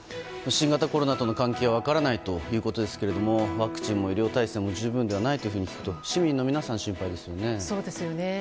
新型コロナとの関係は分からないということですがワクチンも医療体制も十分ではないと聞くと市民の皆さん、心配ですよね。